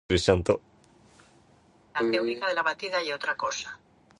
Nor has the dependent sibling relationship between Una and Leo been any more rewarding.